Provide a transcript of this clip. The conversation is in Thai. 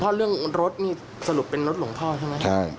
เพราะเรื่องรถนี่สรุปเป็นรถหลวงพ่อใช่ไหม